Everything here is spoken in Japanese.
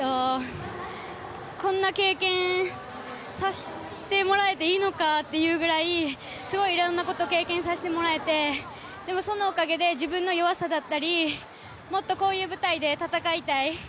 こんな経験さしてもらっていいのかっていうぐらい、すごいいろんなことを経験させてもらえてでも、そのおかげで自分の弱さだったりもっとこういう舞台で戦いたい。